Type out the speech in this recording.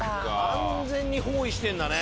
完全に包囲してんだね